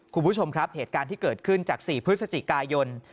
คุณผู้ชมครับเหตุการณ์ที่เกิดขึ้นจาก๔พฤศจิกายน